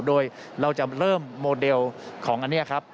โดยเราจะเริ่มโมเดลของอันนี้ครับ